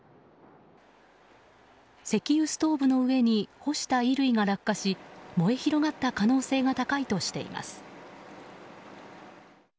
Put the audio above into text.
石油ストーブの上に干した衣類が落下し燃え広がった可能性が高いとしています。